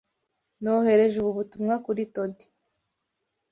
Nohereje ubu butumwa kuri Todd.